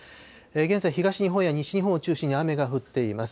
現在、東日本や西日本を中心に雨が降っています。